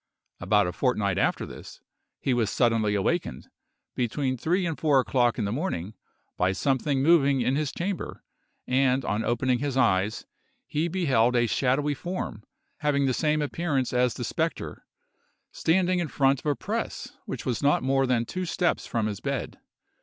About a fortnight after this, he was suddenly awakened, between three and four o'clock in the morning, by something moving in his chamber, and on opening his eyes, he beheld a shadowy form, having the same appearance as the spectre, standing in front of a press which was not more than two steps from his bed.